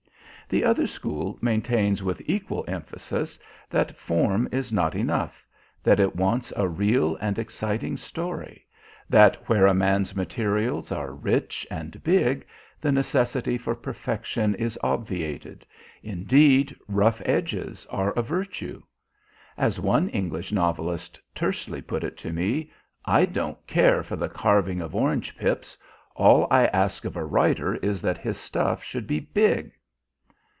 The other school maintains with equal emphasis that form is not enough, that it wants a real and exciting story, that where a man's materials are rich and "big" the necessity for perfection is obviated; indeed, "rough edges" are a virtue. As one English novelist tersely put it to me: "I don't care for the carving of orange pips. All I ask of a writer is that his stuff should be big."